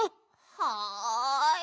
はい。